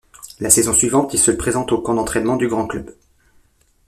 La saison suivante, il se présente au camp d'entraînement du grand club.